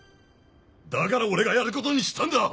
だから俺がやることにしたんだ！